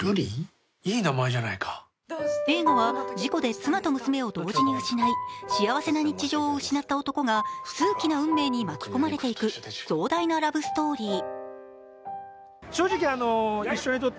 映画は事故で妻と娘を同時に失い幸せな日常を失った男が数奇な運命に巻き込まれていく壮大なラブストーリー。